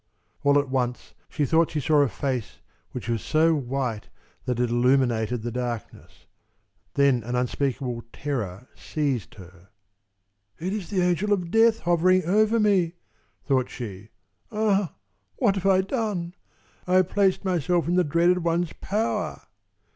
All at once she thought she saw a face which was so white that it illuminated the darkness. Then an unspeakable terror seized her. "It is the Angel of Death hovering over me," thought she. "Ah, what have I done? I have placed myself in the dreaded one's power!"